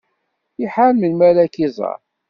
Iḥar melmi ara k-iẓer.